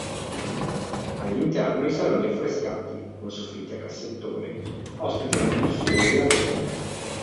All'interno i saloni affrescati, con soffitti a cassettone, ospitano lussuosi arredi.